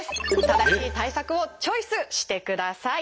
正しい対策をチョイスしてください。